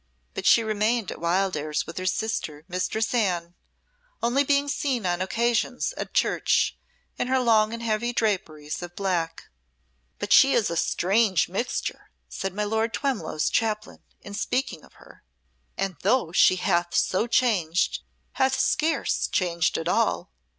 But she remained at Wildairs with her sister, Mistress Anne, only being seen on occasions at church, in her long and heavy draperies of black. "But she is a strange mixture," said my Lord Twemlow's Chaplain, in speaking of her, "and though she hath so changed, hath scarce changed at all.